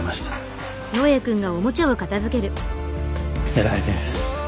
偉いです。